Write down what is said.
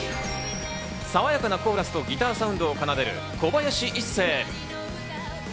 爽やかのコーラスとギターサウンドを奏でる小林壱誓。